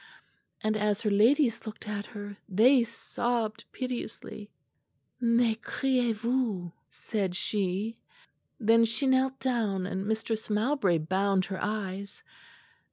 And as her ladies looked at her, they sobbed piteously. 'Ne criez vous,' said she. "Then she knelt down, and Mistress Mowbray bound her eyes.